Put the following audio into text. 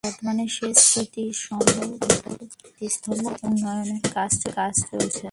বর্তমানে সে স্মৃতিস্তম্ভ উন্নয়নের কাজ চলছে।